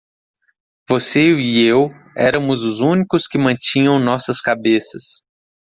Você e eu éramos os únicos que mantinham nossas cabeças.